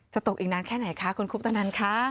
ตกอีกนานแค่ไหนคะคุณคุปตนันคะ